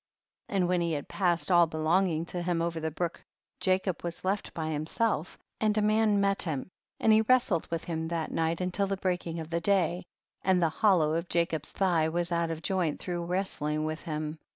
48. And when he had passed all belonging to him over the brook, Ja cob was • left by himself, and a man met him, and he wrestled with him that night until the breaking of the day, and the hollow of Jacob's thigh was out of joint through wrestling with him.